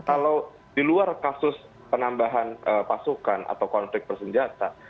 kalau di luar kasus penambahan pasukan atau konflik bersenjata